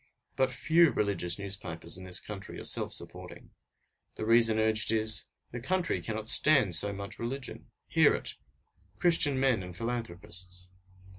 But few religious newspapers in this country are self supporting. The reason urged is the country cannot stand so much religion! Hear it! Christian men and philanthropists!